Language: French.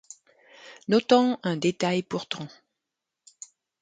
Notons un détail pourtant.